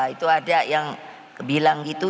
gak ada yang bilang gitu